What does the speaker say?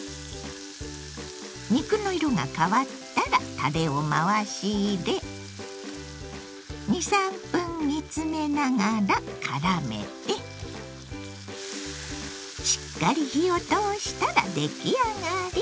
肉の色が変わったらたれを回し入れ２３分煮詰めながらからめてしっかり火を通したら出来上がり。